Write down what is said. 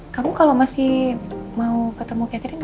kamu kalau masih mau ketemu catherine